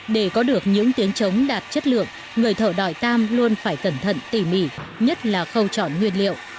để có được những tiếng chống đạt chất lượng người thợ đòi tam luôn phải cẩn thận tỉ mỉ nhất là khâu chọn nguyên liệu